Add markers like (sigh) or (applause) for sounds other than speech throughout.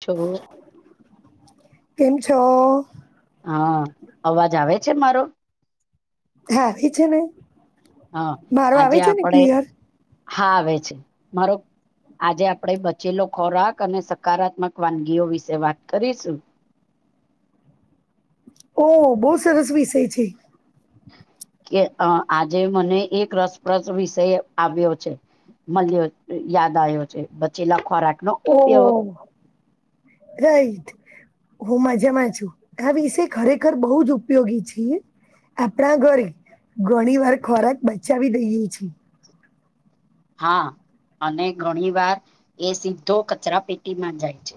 છગળો. કેમ છો? હા, અવાજ આવે છે મારો? હા, આવી છે, ને હા મારો આવે આજે છે, ને આપણે ક્લિયર? હા, આવે છે, મારો? આજે આપડે બચેલો ખોરાક અને સકારાત્મક વાનગીઓ વિશે વાત કરીશું. ઓ બો સરસ વિષય છે. કે અ આજે મને એક રસપ્રદ વિષય આવ્યો છે. મલ્યો યાદ આયો છે, બચેલા ખોરાકનો ઉપયોગ. Oh right. હું મજામાં છું આ વિષય ખરેખર બહુ જ ઉપયોગી છીએ. આપણા ઘરે ઘણી વાર ખોરાક બચાવી દઈએ છે. હા, અને ઘણી વાર એ સીધો કચરા પેટીમાં જાય છે.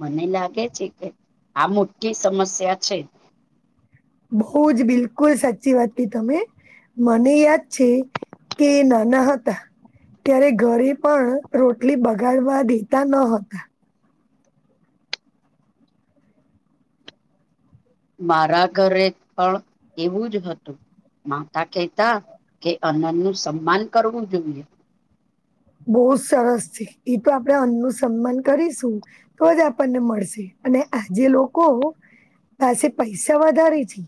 મને લાગે છે, કે આ મોટી સમસ્યા છે. બહુ જ બિલકુલ સાચી વાત કી તમે મને યાદ છે, કે નાના હતા. ત્યારે ઘરે પણ રોટલી બગાડવા દેતા ન હતા. મારા ઘરે પણ એવું જ હતું માતા કહેતા કે અનનનું સન્માન કરવું જોઈએ. બહુ સરસ છે એ તો આપણે અન્નનું સન્માન કરીશું તો જ આપણને મળશે અને આજે લોકો પાસે પૈસા વધારે છે.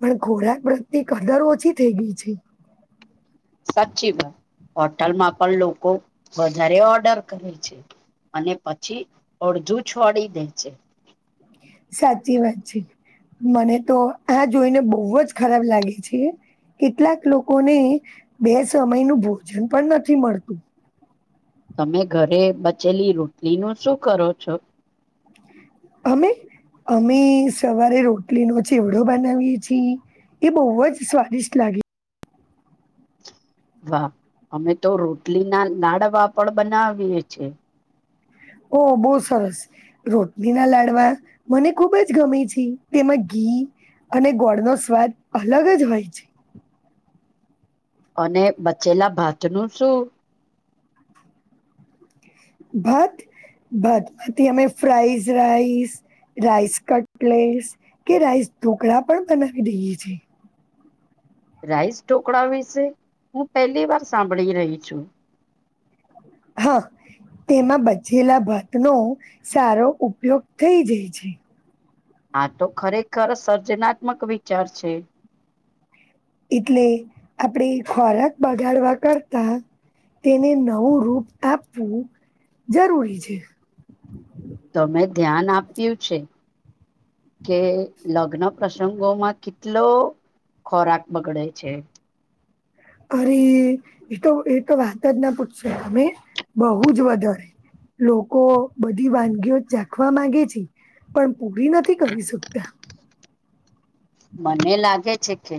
પણ ખોરાક પ્રત્યે કદર ઓછી થઈ ગઈ છે. સાચી વાત હોટલમાં પણ લોકો વધારે ઓર્ડર કરે છે. અને પછી અડધું છોડી દે છે. સાચી વાત છે. મને તો આ જોઈને બોવ જ ખરાબ લાગે છે. કેટલાક લોકોને બે સમય નું ભોજન પણ નથી મળતું. તમે ઘરે બચેલી રોટલીનું શું કરો છો? અમે અમે સવારે રોટલીનો ચેવડો બનાવીએ છી એ બોવ જ સ્વાદિષ્ટ લાગે વાહ અમે તો રોટલીના લાડવા પણ બનાવીએ છે. ઓ બો સરસ રોટનીના લાડવા મને ખુબ જ ગમે છે, તેમાં ઘી ઘી અને ગોળનો સ્વાદ અલગ જ હોય છે. અને બચેલા ભાત નું શું? ભાત ભાત માંથી અમે ફ્રાઈઝ રાઈસ રાઈસ કટલેસ કે રાઈસ ઢોકળા પણ બનાવી દઈએ છે. રાઈસ ઢોકળા વિશે હું પહેલી વાર સાંભળી રહી છું. હા. તેમાં બચેલા ભાતનો સારો ઉપયોગ થઈ જાય છે. આ તો ખરેખર સર્જનાત્મક વિચાર છે. એટલે આપણે ખોરાક બગાડવા કરતા તેને નવું રૂપ આપવું જરૂરી છે. તમે ધ્યાન આપ્યું છે કે લગ્ન પ્રસંગોમાં કેટલો ખોરાક બગડે છે. અરે એતો એતો વાત જ ના પૂછશ અમે બહુ જ વધારે લોકો બધી વાનગીઓ ચાખવા માંગે છે પણ પૂરી નથી કરી શકતા. મને લાગે છે કે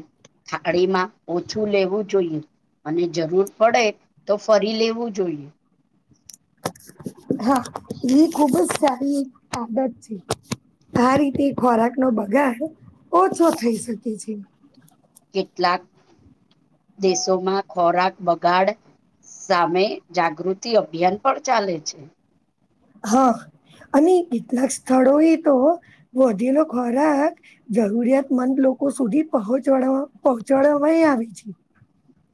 થાળીમાં ઓછું લેવું જોઈએ. અને જરૂર પડે તો ફરી લેવું જોઈએ. હા એ ખુબ જ સારી આદત છે. આ રીતે ખોરાક નો બગડ ઓછો થઈ શકે છે. કેટલાક દેશોમાં ખોરાક બગાડ સામે જાગૃતિ અભિયાન પણ ચાલે છે હા અને કેટલાક સ્થળો એ તો વધેલો ખોરાક જરૂરિયાતમંદ લોકો સુધી પહોંચડ પહોંચાડવાય આવે છે. (inaudible)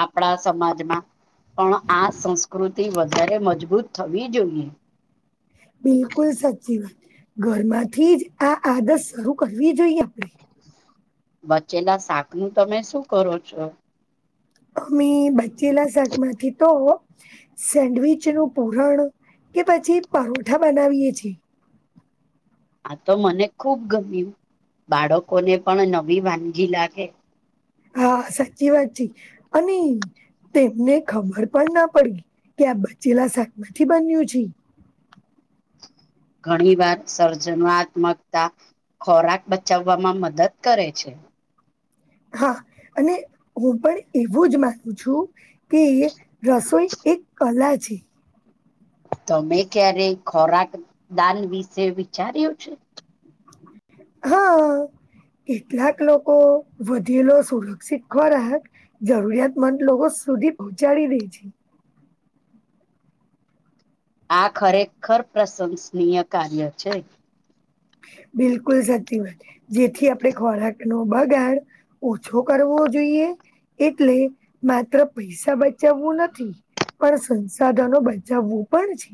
આપણા સમાજમાં પણ આ સંસ્કૃતિ વધારે મજબૂત થવી જોઈએ. બિલકુલ સાચી વાત. ઘરમાંથી જ આ આદત શરૂ કરવી જોઈએ આપણેે બચેલા શાક નું તમે શું કરો છો? અમે બચેલા શાક માંથી તો સેન્ડવીચ નું પૂરણ કે પછી પરોઠા બનાવીયે છી. આ તો મને ખુબ ગમ્યું. બાળકોને પણ નવી વાનગી લાગે. હા સાચી વાત છે અને તેમને ખબર પણ ના પડી કે આ બચેલા શાકમાંથી બન્યું છે. ઘણી વાર સર્જનાત્મકતા ખોરાક બચાવવામાં મદદ કરે છે. હા અને હું પણ એવું જ માનું છું કે રસોઈ એક કલા છે. તમે ક્યારે ખોરાક દાન વિશે વિચાર્યું છે. હા. કેટલાક લોકો વધેલો સુરક્ષિત ખોરાક જરૂરિયાતમંદ લોકો સુધી પહોંચાડી દે છે. આ ખરેખર પ્રશંસનીય કાર્ય છે. બિલકુલ સાચી વાત જેથી આપણે ખોરાક નો બગાડ ઓછો કરવો જોઈએ એટલે માત્ર પૈસા બચાવવું નથી. પણ સંસાધનો બચાવવું પણ છે.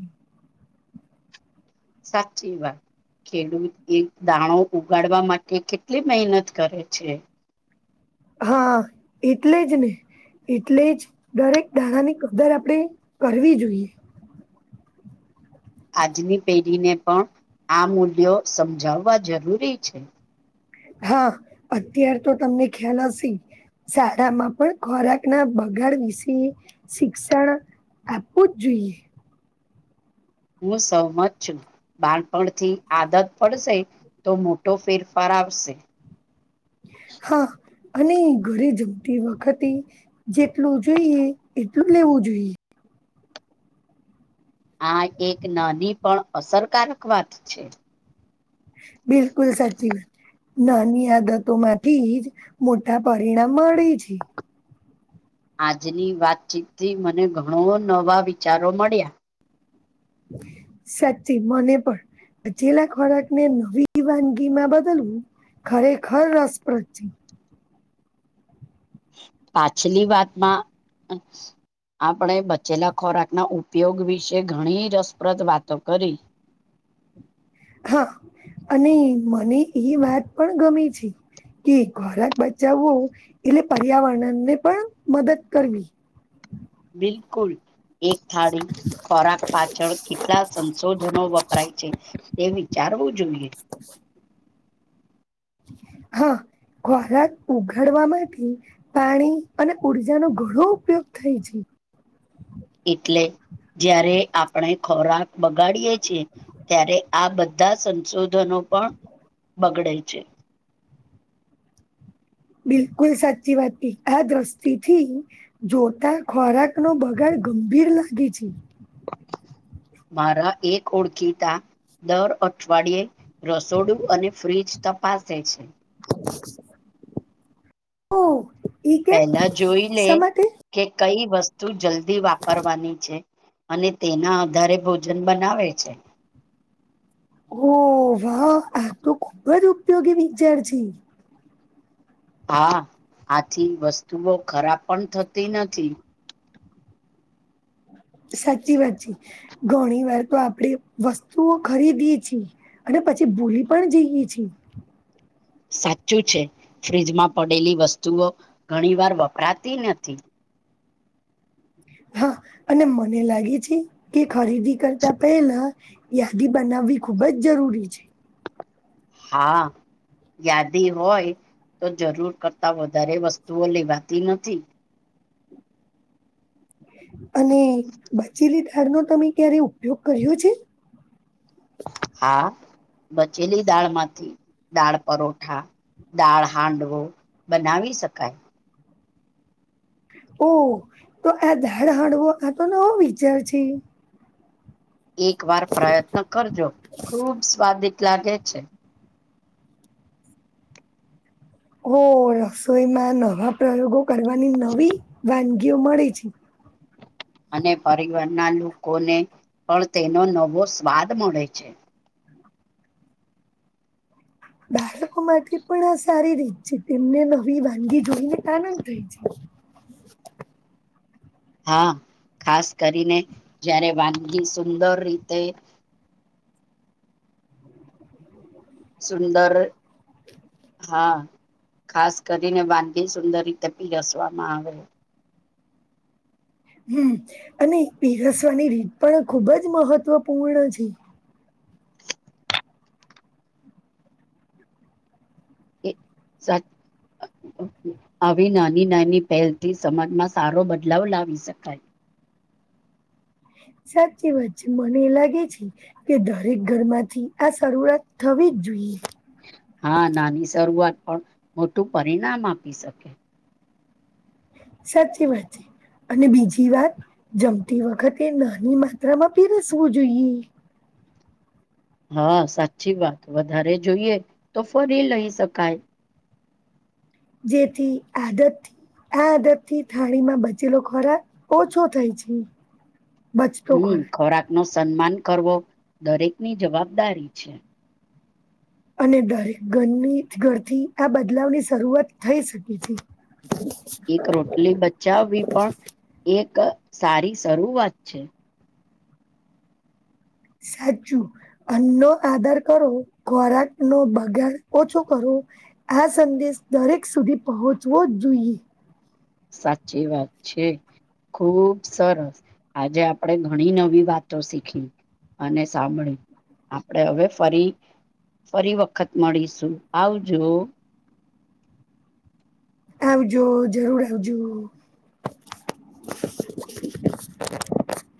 સાચી વાત. ખેડૂત એ દાણો ઉગાડવા માટે કેટલી મહેનત કરે છે. હા એટલે જ ને. એટલે જ દરેક દાણાની કદર આપણે કરવી જોઈએ. આજની પેઢીને પણ આ મૂલ્યો સમજાવવા જરૂરી છે. હા અત્યાર તો તમને ખ્યાલ હશે. શાળામાં પણ ખોરાકના બગાડ વિશે શિક્ષણ આપવું જ જોઈએ. હું સહમત છું બાળપણથી આદત પડશે તો મોટો ફેરફાર આવશે. હા અને ઘરે જવ તી વખતે જેટલું જોઈએ એટલું લેવું જોઈએ. આ એક નાની પણ અસરકારક વાત છે. બિલકુલ સાચી વાત નાની આદતો માંથી જ મોટા પરિણામ મળે છે. આજની વાતચીતથી મને ઘણો નવા વિચારો મળ્યા સાચી મને પણ પચેલા ખોરાક ને નવી વાનગીમાં બદલવું ખરેખર રસપ્રદ છે. પાછલી વાતમાં આપણે બચેલા ખોરાકના ઉપયોગ વિશે ઘણી રસપ્રદ વાતો કરી (inaudible) હા અને મને એ વાત પણ ગમે છે. કે ખોરાક બચાવવો એટલે પર્યાવરણને પણ મદદ કરવી. બિલકુલ. એક થાળી ખોરાક પાછળ કેટલા સંશોધનો વપરાય છે, તે વિ ચાર હોવું જોઈએ. હા. ખોરાક ઉગાડવા માટે પાણી અને ઉર્જાનો ઘણો ઉપયોગ થાય છે. (inaudible) એટલે જયારે આપણે ખોરાક બગાડીએ છીએ ત્યારે આ બધા સંશોધનો પણ બગડે છે. (inaudible) બિલકુલ સાચી વાત આ દ્રષ્ટિથી જોતા ખોરાક નો બગાડ ગંભીર લાગે છે. મારા એક ઓળખીતા દર અઠવાડિયે રસોડું અને ફ્રીજ તપાસ છે. ઓ એ કે પહેલા જોઈ લે સા માટે કે કઈ વસ્તુ જલ્દી વાપરવાની છે. અને તેના આધારે ભોજન બનાવે છે. ઓ વાહ આ તો ખુબ જ ઉપયોગી વિચાર છે. હા આથી વસ્તુઓ ખરાબ પણ થતી નથી. સાચી વાત છે, ઘણી વાર તો આપડે વસ્તુઓ ખરીદીએ છીએ અને પછી ભૂલી પણ જઈએ છીએ. (inaudible) સાચું છે, ફ્ર્રીજમાં પડેલી વસ્તુઓ ઘણી વાર વપરાતી નથી. હા અને મને લાગે છે, કે ખરીદી કરતા પહેલા યાદી બનાવ વી ખૂબ જ જરૂરી છે. હા યાદી હોય તો જરૂર કરતાં વધારે વસ્તુઓ લેવાતી નથી. (inaudible) અને બચેલી દાળનો તમે ક્યારે ઉપયોગ કર્યો છે? હા બચેલી દાળમાંથી દાળ પરોઠા દાળ હાંડવો બનાવી શકાય ઓ તો આ દાડ હડવો આ તો નવો વિચાર છે. એક વાર પ્રયત્ન કરજો ખુબ સ્વાદીટ લાાગે છે. હો રસોઈમાં નવા પ્રયોગો કરવાની નવી વાનગીઓ મળે છે. (inaudible) અને પરિવારના લોકોને પણ તેનો નવો સ્વાદ મળે છે. બાળકો માટે પણ આ સારી રીત છે, તેમને નવી વાનગી જોઈને આનંદ થાય છે. (inaudible) હા ખાસ કરીને જયારે વાનગી સુંદર રીતે (inaudible) સુંદર હા ખાસ કરીને વાનીગી સુંદર રીતે પીરસવામાં આવે. હમ અને પીરસવાની રીત પણ ખુબ જ મહત્વપૂર્ણ છે. એ સાત આવી નાની નાની પહેલથી સમાજમાં સારો બદલાવ લાવી શકાય સાચી વાત છે મને એ લાગે છે કે દરેક ઘરમાંથી આ શરૂઆત થવી વી જ જોઈએ હા નાની શરૂઆત પણ મોટું પરિણામ આપી શકે. સાચી વાત છે. અને બીજી વાત જમતી વખતે નાની માત્રામાં પીરસવું જોઈએ. હા સાચી વાત વધારે જોઈએ તો ફરી લઈ શકાય. જેથી આદત આ આદત થી થાળીમાં બચેલો ખોરાક ઓછો થાય છે. હમ ખોરાક નો સન્માન કરવો દરેકની જવાબદારી છે. અને દરેક ઘરની ઘરથી આ બદલાવની શરૂઆત થઈ શકે છે. એક રોટલી બચાવવી પણ એક સારી શરૂઆત છે. સાચું અન્નો આદર કરો ખોરાક નો બગાડ ઓછો કરો. આ સંદેશ દરેક સુધી પહોચવો જ જોઈએ. સાચી વાત છે. ખુબ સરસ આજે આપણેે ઘણી નવી વાતો શીખી અને સાંભળી આપણેે હવે ફરી ફરી વખત મળીશું આવજો આવજો જરૂર આવજો. (inaudible)